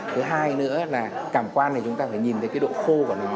thứ hai nữa là cảm quan thì chúng ta phải nhìn thấy cái độ khô của nó